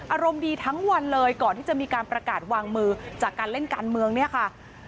อารมณ์ดีทั้งวันเลยก่อนที่จะมีการประกาศวางมือจากการเล่นการเมืองเนี่ยค่ะ